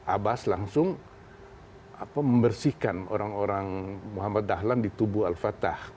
abbas langsung membersihkan orang orang muhammad dahlan di tubuh al fatah